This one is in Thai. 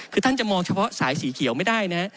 คือท่านจะมองเฉพาะสายสีเขียวไม่ได้นะฮะ